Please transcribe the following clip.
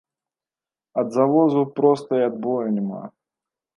Ад завозу проста і адбою няма.